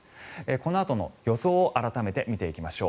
このあとの予想を改めて見ていきましょう。